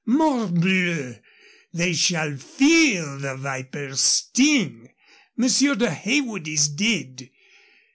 Morbleu! they shall feel the viper's sting. Monsieur de Heywood is dead.